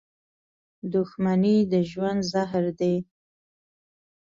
• دښمني د ژوند زهر دي.